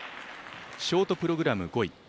ショートプログラム５位